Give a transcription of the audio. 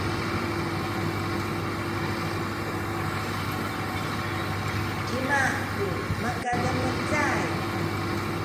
cima ku makademecay?